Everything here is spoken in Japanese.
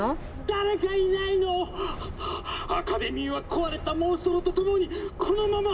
「誰かいないの⁉アカデミーは壊れたモンストロと共にこのままこのまま」。